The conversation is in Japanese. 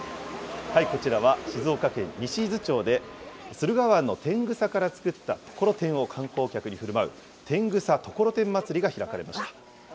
こちらは静岡県西伊豆町で、駿河湾のテングサから作った、ところてんを観光客にふるまう、天草・ところてん祭りが開かれました。